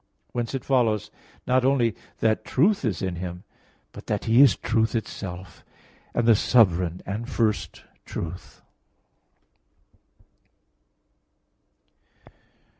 Whence it follows not only that truth is in Him, but that He is truth itself, and the sovereign and first truth.